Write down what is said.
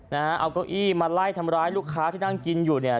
นะฮะเอาเก้าอี้มาไล่ทำร้ายลูกค้าที่นั่งกินอยู่เนี่ย